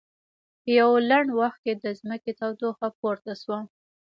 په یوه لنډ وخت کې د ځمکې تودوخه پورته شوه.